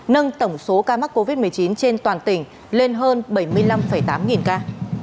nâng tổng số ca mắc covid một mươi chín trên toàn tỉnh lên hơn bảy mươi năm tám nghìn ca